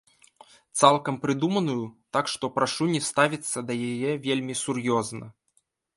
Цалкам прыдуманую, так што прашу не ставіцца да яе вельмі сур'ёзна.